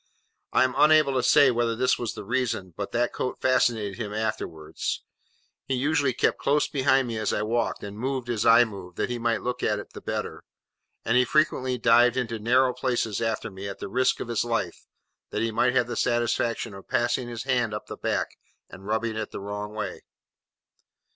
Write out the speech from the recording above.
I am unable to say whether this was the reason, but that coat fascinated him afterwards; he usually kept close behind me as I walked, and moved as I moved, that he might look at it the better; and he frequently dived into narrow places after me at the risk of his life, that he might have the satisfaction of passing his hand up the back, and rubbing it the wrong way.